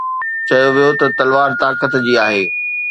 چيو ويو ته تلوار طاقت جي آهي